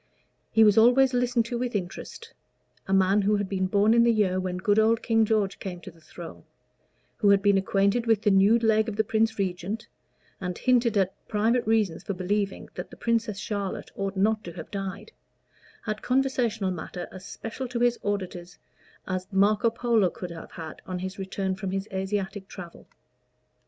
He was always listened to with interest: a man who had been born in the year when good old King George came to the throne who had been acquainted with the nude leg of the Prince Regent, and hinted at private reasons for believing that the Princess Charlotte ought not to have died had conversational matter as special to his auditors as Marco Polo could have had on his return from his Asiatic travel.